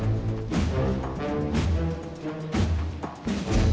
untuk bisa dapat dua bonus